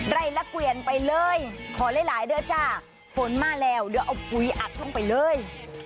ไล่ละเกวียนไปเลยขอหลายเดือนจ้ะฝนมาแล้วเดี๋ยวเอาปุ๋ยอัดลงไปเลย